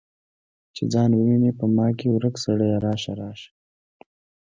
چې ځان وویني په ما کې ورک سړیه راشه، راشه